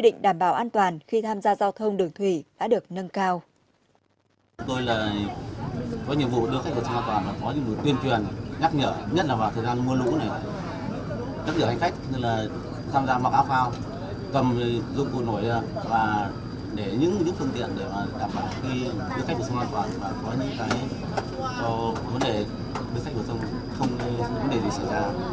để đảm bảo khi đưa khách vào sông an toàn và có những vấn đề không để gì xảy ra